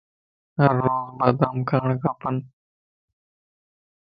ھر روز بادام کاڻ کپن